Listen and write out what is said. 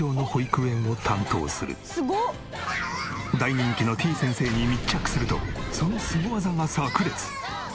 大人気のてぃ先生に密着するとそのスゴ技が炸裂。